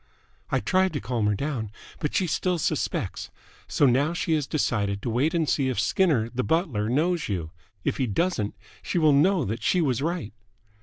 "I tried to calm her down, but she still suspects. So now she has decided to wait and see if Skinner, the butler, knows you. If he doesn't, she will know that she was right."